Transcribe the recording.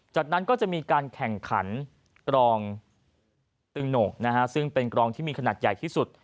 จากนั้นก็จะมีการแข่งขันกรองตึงโหนกซึ่งเป็นกรองที่มีขนาดใหญ่ที่สุด